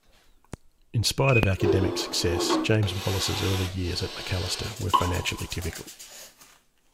In spite of academic success, James Wallace's early years at Macalester were financially difficult.